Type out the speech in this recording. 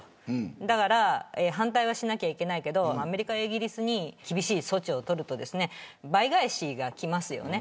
だから反対しなきゃいけないけどアメリカやイギリスに厳しい措置を取ると倍返しがきますよね。